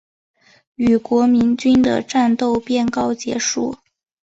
与国民军的战斗便告结束。